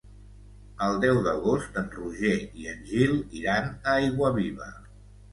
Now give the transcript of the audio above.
El deu d'agost en Roger i en Gil iran a Aiguaviva.